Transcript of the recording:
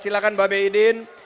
silahkan bapak bidin